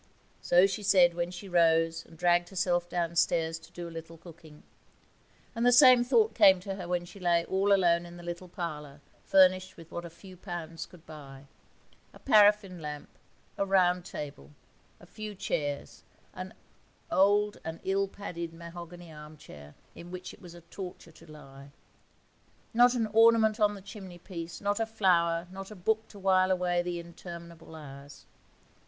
So she said when she rose and dragged herself downstairs to do a little cooking; and the same thought came to her when she lay all alone in the little parlour, furnished with what a few pounds could buy a paraffin lamp, a round table, a few chairs, an old and ill padded mahogany armchair, in which it was a torture to lie; not an ornament on the chimney piece, not a flower, not a book to while away the interminable hours.